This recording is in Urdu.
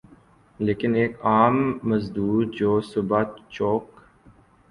لیکن ایک عام مزدور جو صبح چوک